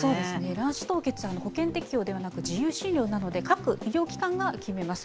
卵子凍結は保険適用ではなく、自由診療なので、各医療機関が決めます。